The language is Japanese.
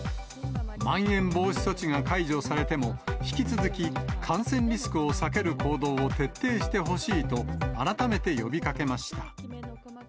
まん延防止措置が解除されても、引き続き、感染リスクを避ける行動を徹底してほしいと、改めて呼びかけました。